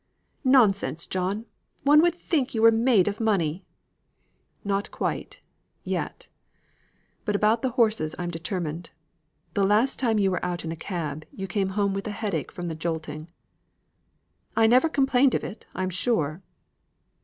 "Nonsense, John. One would think you were made of money." "Not quite, yet. But about the horses I'm determined. The last time you were out in a cab, you came home with a headache from the jolting." "I never complained of it, I'm sure."